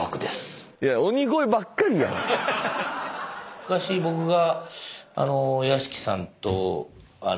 昔僕が。